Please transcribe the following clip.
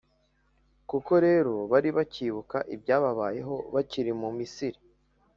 Koko rero, bari bakibuka ibyababayeho bakiri mu Misiri,